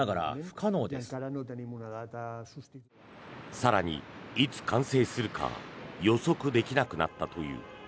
更に、いつ完成するか予測できなくなったという。